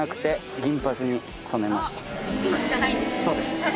そうです。